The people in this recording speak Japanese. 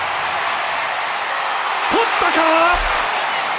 捕ったか？